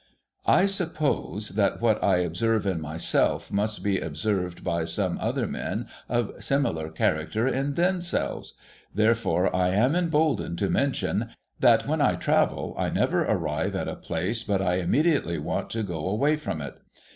I suppose that what I observe in myself must be observed by some other men of similar character in themselves ; therefore I am emboldened to mention, that, when I travel, I never arrive at a place but I immediately want to go away from it.